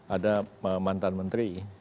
ada mantan menteri